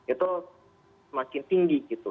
itu semakin tinggi gitu